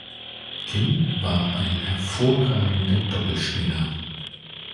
Kim war ein hervorragender Doppelspieler.